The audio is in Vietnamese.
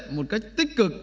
một cách tích cực